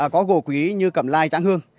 có gỗ quý như cầm lai tráng hương